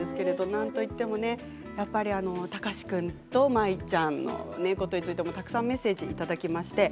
なんといっても貴司君と舞ちゃんのことについてもたくさんメッセージをいただきました。